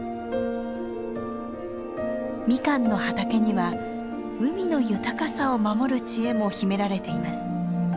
ミカンの畑には海の豊かさを守る知恵も秘められています。